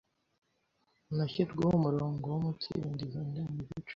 heneshyirweho umurongo wo umunsirinde izo Ndengegeciro.